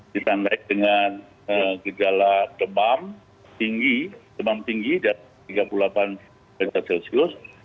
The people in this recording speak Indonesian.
kita naik dengan gejala temam tinggi temam tinggi tiga puluh delapan derajat celcius